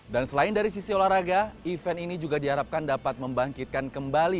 dan selain dari sisi olahraga event ini juga diharapkan dapat membangkitkan kembali